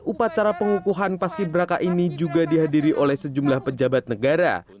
upacara pengukuhan paski beraka ini juga dihadiri oleh sejumlah pejabat negara